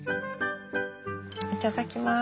いただきます。